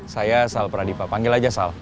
saya sal pradipa panggil aja salva